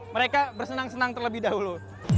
mereka bersenang senang terlebih dahulu